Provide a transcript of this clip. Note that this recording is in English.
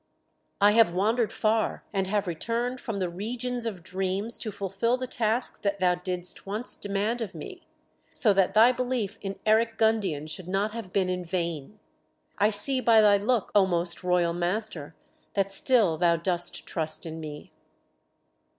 "I have wandered far, and have returned from the regions of dreams to fulfil the task that thou didst once demand of me, so that thy belief in Eric Gundian should not have been in vain! I see by thy look, O most royal master, that still thou dost trust in me."